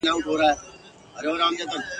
چي هر ځای وینم کارګه له رنګه تور وي ..